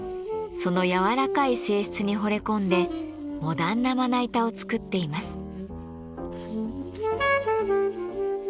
その軟らかい性質にほれ込んでモダンなまな板を作っています。